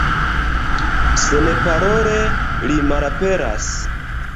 Senparole li malaperas.